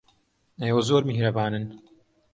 ئێوە زۆر میهرەبانن.